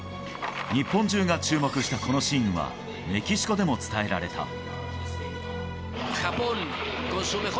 日本中が注目した、このシーンはメキシコでも伝えられた。